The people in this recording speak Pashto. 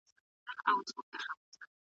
انسان د ټولني غړی دی.